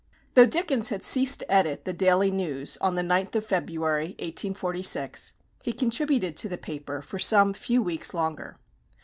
Though Dickens had ceased to edit The Daily News on the 9th of February, 1846, he contributed to the paper for some few weeks longer.